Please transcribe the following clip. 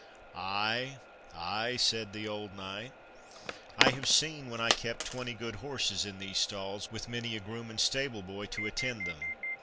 "Ay, ay," said the old knight, "I have seen when I kept twenty good horses in these stalls, with many a groom and stable boy to attend them."